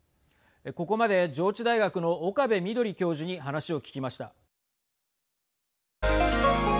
ここまで、上智大学の岡部みどり教授に話を聞きました。